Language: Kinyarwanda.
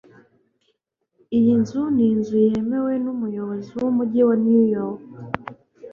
Iyi Nzu ni inzu yemewe y'umuyobozi w'umujyi wa New York